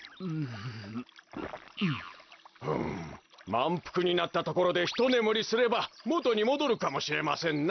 まんぷくになったところでひとねむりすればもとにもどるかもしれませんな。